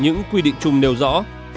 những quy định chung nêu rõ